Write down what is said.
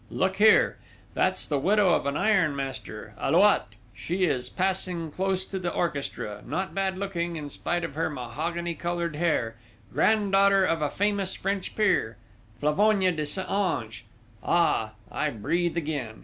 Look here! That's the widow of an iron master, Allouat she is passing close to the orchestra not bad looking in spite of her mahogany coloured hair, granddaughter of a famous French peer, Flavogny de Saint Ange.... Ah, I breathe again!...